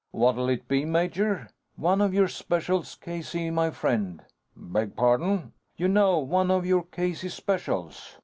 "What'll it be, major?" "One of your Specials, Casey, my friend." "Beg pardon?" "You know one of your Casey Specials.